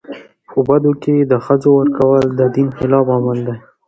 په بدو کي د ښځو ورکول د دین خلاف عمل دی.